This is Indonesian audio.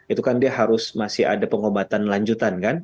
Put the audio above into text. itu kan dia harus masih ada pengobatan lanjutan kan